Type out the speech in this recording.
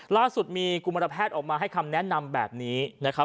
ล่าสุดมีกุมารแพทย์ออกมาให้คำแนะนำแบบนี้นะครับ